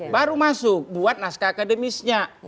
baru masuk buat naskah akademisnya